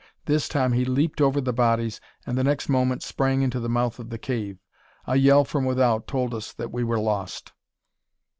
This time he leaped over the bodies, and the next moment sprang into the mouth of the cave. A yell from without told us that we were lost.